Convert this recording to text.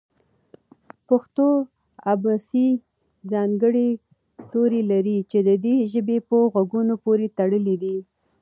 پښتو ابېڅې ځانګړي توري لري چې د دې ژبې په غږونو پورې تړلي دي.